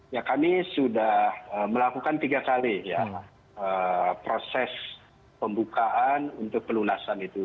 ya kami sudah melakukan tiga kali ya proses pembukaan untuk pelunasan itu